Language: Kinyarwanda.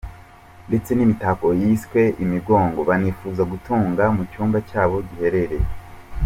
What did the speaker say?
ndetse n’Imitako yiswe ‘Imigongo’ banifuza gutunga mu cyumba cyabo giherereye